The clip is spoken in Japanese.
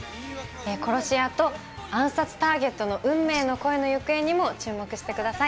殺し屋と暗殺ターゲットの運命の恋の行方にも注目してください。